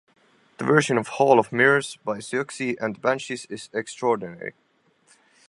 The version of 'Hall of Mirrors' by Siouxsie and the Banshees is extraordinary.